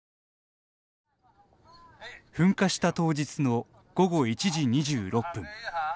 噴火した当日の午後１時２６分。